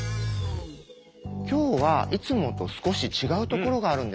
今日はいつもと少し違うところがあるんですね。